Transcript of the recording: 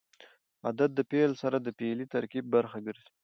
عدد د فعل سره د فعلي ترکیب برخه ګرځي.